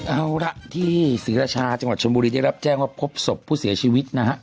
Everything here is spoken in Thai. เอาละที่ศรีราชาจังหวัดชนบุรีได้รับแจ้งว่าพบศพผู้เสียชีวิตนะฮะ